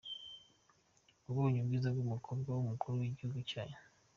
Wabonye ubwiza bw’umukobwa w’umukuru w’igihugu cyanyu? ”.